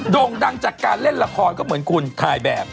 ่งดังจากการเล่นละครก็เหมือนคุณถ่ายแบบ